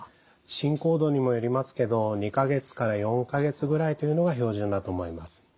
進行度にもよりますけど２か月から４か月ぐらいというのが標準だと思います。